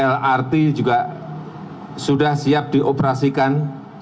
lrt juga sudah siap dioperasikan